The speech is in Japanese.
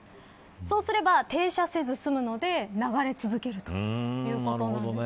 そうすれば停車せず済むので流れ続けるということなんです。